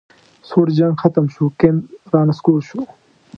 سوړ جنګ ختم شو کمپ رانسکور شو